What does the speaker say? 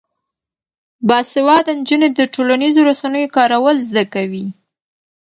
باسواده نجونې د ټولنیزو رسنیو کارول زده کوي.